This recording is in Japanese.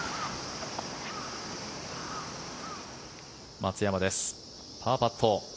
松山です、パーパット。